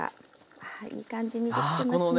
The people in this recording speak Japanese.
ああいい感じにできてますね。